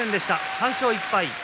３勝１敗。